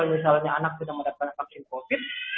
misalnya anak sudah mendapatkan vaksin covid